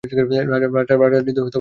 রাজার হৃদয় আর্দ্র হইয়া গেল।